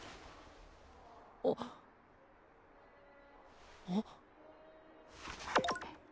あっあっ？